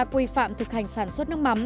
quy phạm thực hành sản xuất nước mắm